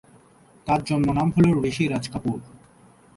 তার জন্মনাম হল ঋষি রাজ কাপুর।